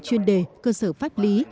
chuyên đề cơ sở pháp lý